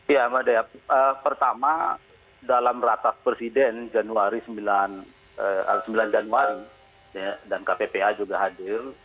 ya mbak dea pertama dalam ratas presiden sembilan januari dan kppa juga hadir